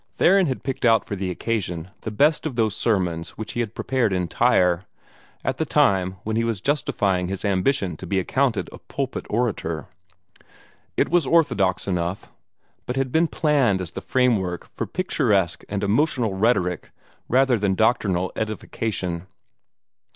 Theron had picked out for the occasion the best of those sermons which he had prepared in Tyre, at the time when he was justifying his ambition to be accounted a pulpit orator. It was orthodox enough, but had been planned as the framework for picturesque and emotional rhetoric rather than doctrinal edification.